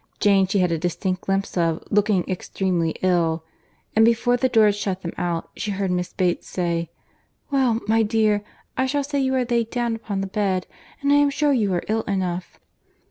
Jane she had a distinct glimpse of, looking extremely ill; and, before the door had shut them out, she heard Miss Bates saying, "Well, my dear, I shall say you are laid down upon the bed, and I am sure you are ill enough."